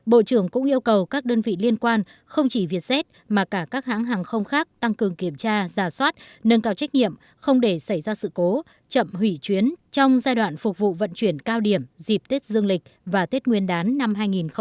bộ trưởng cũng yêu cầu các đơn vị liên quan không chỉ vietjet mà cả các hãng hàng không khác tăng cường kiểm tra giả soát nâng cao trách nhiệm không để xảy ra sự cố chậm hủy chuyến trong giai đoạn phục vụ vận chuyển cao điểm dịp tết dương lịch và tết nguyên đán năm hai nghìn hai mươi